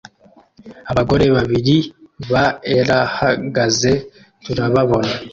Abagore babiri baerahagaze turababona